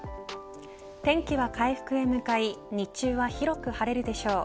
天気は回復へ向かい日中は広く晴れるでしょう。